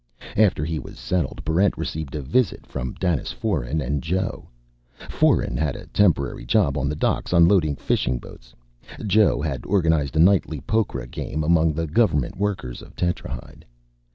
After he was settled, Barrent received a visit from Danis Foeren and Joe. Foeren had a temporary job on the docks unloading fishing boats. Joe had organized a nightly pokra game among the government workers of Tetrahyde.